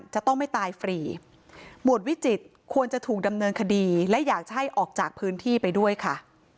จะต้องไม่ตายฟรีหมวดวิจิตรควรจะถูกดำเนินคดีและอยากจะให้ออกจากพื้นที่ไปด้วยค่ะ